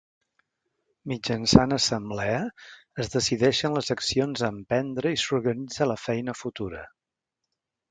Mitjançant assemblea es decideixen les accions a emprendre i s'organitza la feina futura.